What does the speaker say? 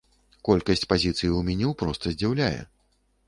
Колькасць пазіцый у меню проста здзіўляе.